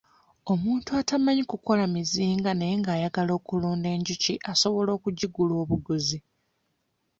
Omuntu atamanyi kukola mizinga naye ng'ayagala okulunda enjuki asobola okugigula obuguzi.